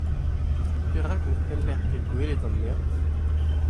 Perak ne cʼhaller ket gwelet anezhañ ?